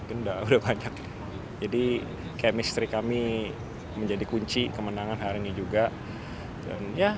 ini sudah banyak jadi chemistry kami menjadi kunci kemenangan hari ini